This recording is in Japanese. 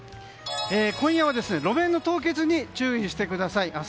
今夜は路面の凍結に注意してください。